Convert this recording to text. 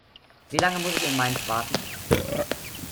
Wie lange muss ich in Mainz warten?